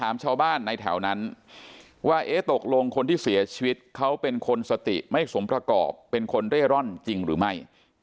มีคนเร่อร่อนจริงรึไม่